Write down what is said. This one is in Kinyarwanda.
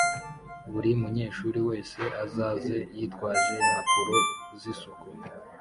Buri munyeshuri wese azaze yitwaje impapuro zisuku